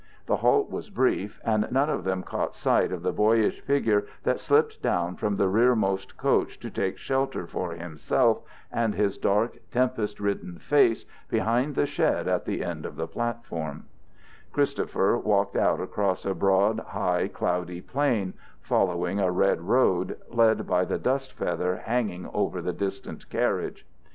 The halt was brief, and none of them caught sight of the boyish figure that slipped down from the rearmost coach to take shelter for himself and his dark, tempest ridden face behind the shed at the end of the platform Christopher walked out across a broad, high, cloudy plain, following a red road, led by the dust feather hanging over the distant carriage.